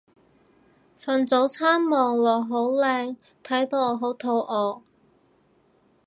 份早餐望落好靚睇到我好肚餓